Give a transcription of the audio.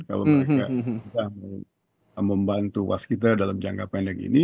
kalau mereka membantu waskita dalam jangka pendek ini